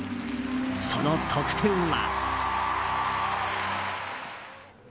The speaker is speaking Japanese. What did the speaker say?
その得点は。